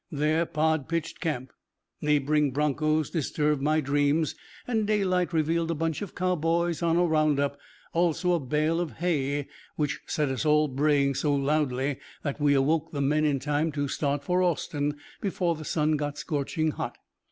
There Pod pitched camp. Neighing broncos disturbed my dreams, and daylight revealed a bunch of cowboys on a round up, also a bale of hay, which set us all braying so loudly that we awoke the men in time to start for Austin before the sun got scorching hot.